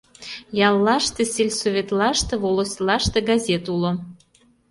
Яллаште, сельсоветлаште, волостьлаште газет уло.